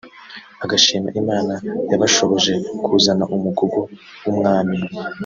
agashima Imana yabashoboje kuzana Umugogo w’Umwami